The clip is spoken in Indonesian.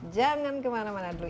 jangan kemana mana dulu